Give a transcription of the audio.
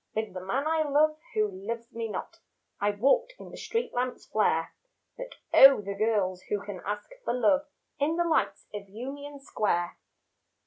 With the man I love who loves me not I walked in the street lamps' flare But oh, the girls who can ask for love In the lights of Union Square.